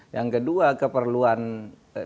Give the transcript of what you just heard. yang kedua keperluan negara itu